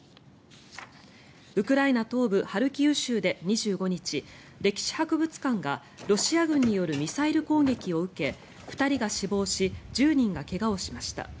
ウクライナ東部ハルキウ州で２５日歴史博物館が、ロシア軍によるミサイル攻撃を受け２人が死亡し１０人が怪我をしました。